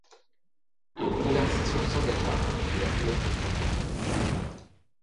Et une conversation s'engagea, de la fenêtre au trottoir.